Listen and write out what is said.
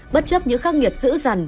bất chấp những khắc nghiệt dữ dằn